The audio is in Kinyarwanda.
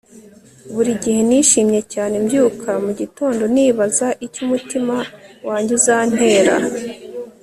buri gihe nishimye cyane mbyuka mugitondo nibaza icyo umutima wanjye uzantera